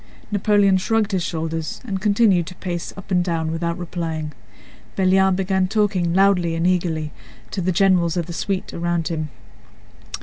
Napoleon shrugged his shoulders and continued to pace up and down without replying. Belliard began talking loudly and eagerly to the generals of the suite around him.